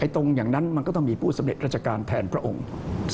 ตรงอย่างนั้นมันก็ต้องมีผู้สำลัดราชการแทนพระองค์แทดเข้ามา